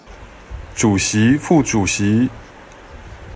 主席副主席